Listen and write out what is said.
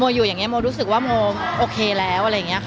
โมอยู่อย่างนี้โมรู้สึกว่าโมโอเคแล้ว